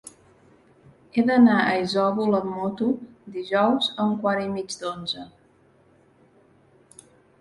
He d'anar a Isòvol amb moto dijous a un quart i mig d'onze.